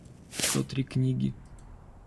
сто три книги